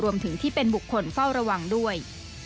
รวมถึงที่เป็นบุคคลเฝ้าระวังด้วย